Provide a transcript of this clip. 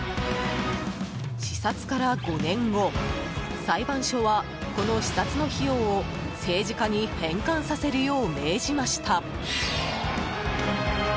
視察から５年後裁判所は、この視察の費用を政治家に返還させるよう命じました。